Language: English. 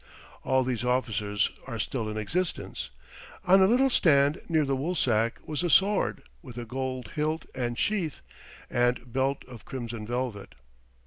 All these officers are still in existence. On a little stand, near the woolsack, was a sword, with a gold hilt and sheath, and belt of crimson velvet.